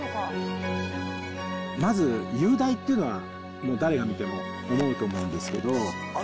まず、雄大っていうのはもう誰が見ても思うと思うんですけど。